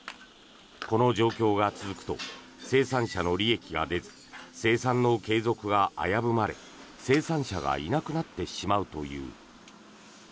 この状況が続くと生産者の利益が出ず生産の継続が危ぶまれ、生産者がいなくなってしまうという。